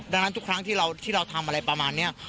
ดังนั้นทุกครั้งที่เราทำอะไรประมาณนี้